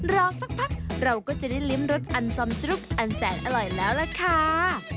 รอสักพักเราก็จะได้ลิ้มรสอันซอมจุ๊กอันแสนอร่อยแล้วล่ะค่ะ